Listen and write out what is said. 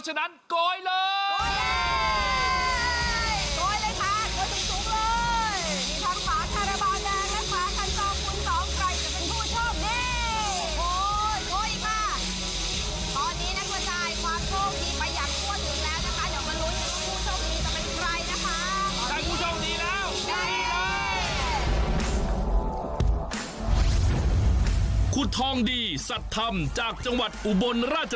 หลอกอยู่แล้วเพราะฉะนั้นโกยเลย